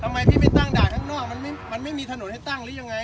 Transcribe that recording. ทำไมพี่ไม่ตั้งด่านข้างนอกมันไม่มีถนนให้ตั้งหรือยังไง